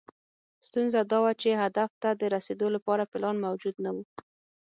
ستونزه دا وه چې هدف ته د رسېدو لپاره پلان موجود نه و.